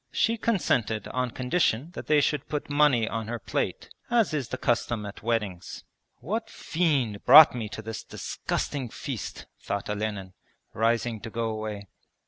She consented on condition that they should put money on her plate, as is the custom at weddings. 'What fiend brought me to this disgusting feast?' thought Olenin, rising to go away.